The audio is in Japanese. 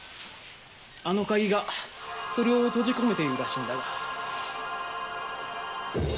あの鍵がそれを閉じ込めているらしいんだが。